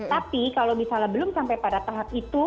tapi kalau misalnya belum sampai pada tahap itu